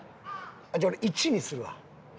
じゃあ俺１にするわ。